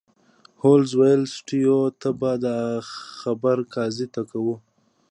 هولمز وویل سټیو ته به دا خبره قاضي ته کوې